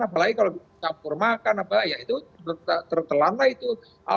apalagi kalau campur makan apa ya itu tertelan lah itu